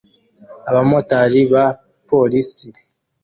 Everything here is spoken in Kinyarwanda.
Abamotari ba polisi